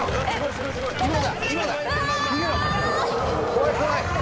怖い怖い！